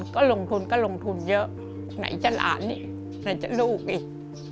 ก็ลงทุนก็ลงทุนเยอะไหนจะหลานนี่ไหนจะลูกอีก